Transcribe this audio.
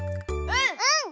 うん！